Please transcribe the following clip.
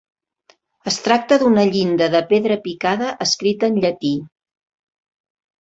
Es tracta d'una llinda de pedra picada escrita en llatí.